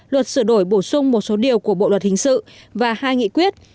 luật sửa đổi bổ sung một số điều của bộ luật hình sự và hai nghị quyết